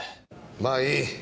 まあいい。